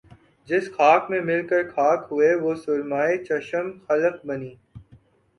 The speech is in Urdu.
جس خاک میں مل کر خاک ہوئے وہ سرمۂ چشم خلق بنی